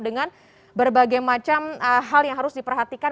dengan berbagai macam hal yang harus diperhatikan